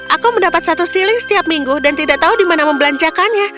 aku mendapat satu sealing setiap minggu dan tidak tahu di mana membelanjakannya